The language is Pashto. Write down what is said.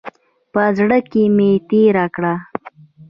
په زړه کې مې تېره کړه.